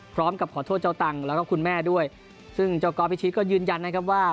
พร้อมกับขอโทษเจ้าตังแล้วก็คุณแม่ด้วยซึ่งเจ้าก๊อฟพิชิตก็ยืนยันนะครับว่า